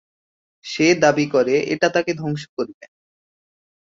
সে দাবি করে, "এটি তাকে ধ্বংস করবে"।